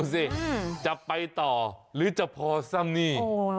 สิจะไปต่อหรือจะพอซ้ำนี่